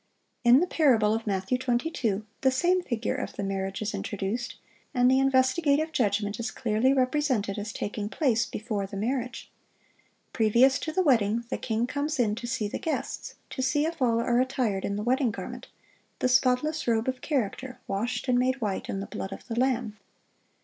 In the parable of Matthew 22 the same figure of the marriage is introduced, and the investigative judgment is clearly represented as taking place before the marriage. Previous to the wedding the king comes in to see the guests,(710) to see if all are attired in the wedding garment, the spotless robe of character washed and made white in the blood of the Lamb.